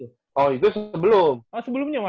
oh itu sebelum sebelumnya